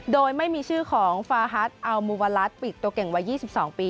โดยไม่มีชื่อของฟาฮัทอัลมูวาลัสปิดตัวเก่งวัย๒๒ปี